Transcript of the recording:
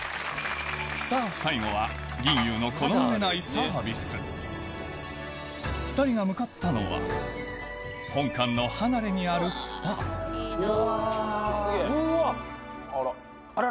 さぁ最後は吟遊のこの上ないサービス２人が向かったのは本館の離れにあるスパあら。